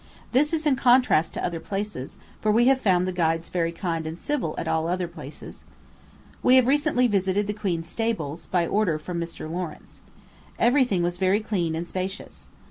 This is in contrast to other places; for we have found the guides very kind and civil at all other places. We have recently visited the Queen's stables, by order from Mr. Lawrence. Every thing was very clean and spacious.